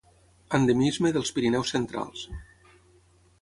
Endemisme dels Pirineus centrals.